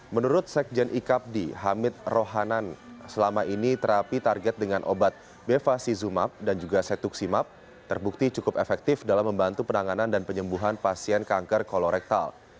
menurut sekjen icapdi hamid rohanan selama ini terapi target dengan obat bevacizumab dan juga setuximab terbukti cukup efektif dalam membantu penanganan dan penyembuhan pasien kanker kolorektal